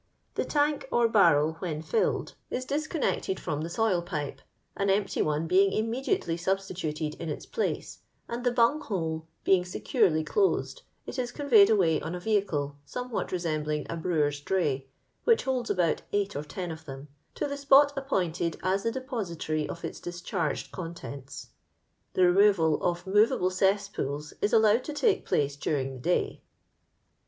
The.tank or barrel, when filled, is disconneeted firom the soil pipe, an empty one being immediately sub stituted in its place, and the bung hole behig securely dosed, it is cooTcyed away on a rehlde, somewhat resembling a brewer's dray (which holds about eight or ten of them), to the spot appointed as the depository of its discharged contents. The removal of moTable cesspools is allowed to take place during the day."